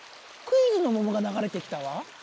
クイズのももがながれてきたわ。